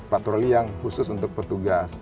patroli yang khusus untuk petugas